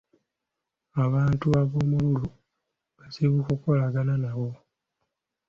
Abantu ab'omululu bazibu kukolagana nabo.